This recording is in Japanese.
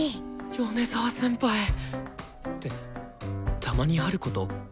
米沢先輩！ってたまにあること？